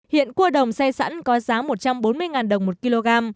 hiện cua đồng xây sẵn có giá một trăm bốn mươi đồng một kg